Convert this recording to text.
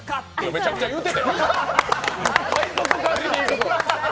めちゃくちゃ言うてたよ。